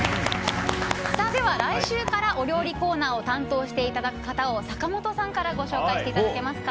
来週からお料理コーナーを担当していただく方を坂本さんからご紹介していただけますか。